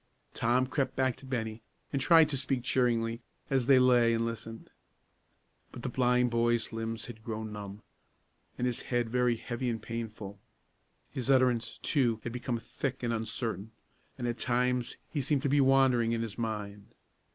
Tom crept back to Bennie, and tried to speak cheeringly, as they lay and listened. But the blind boy's limbs had grown numb, and his head very heavy and painful. His utterance, too, had become thick and uncertain, and at times he seemed to be wandering in his mind.